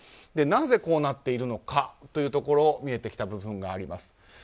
なぜこうなっているのかというところ見えてきた部分があります。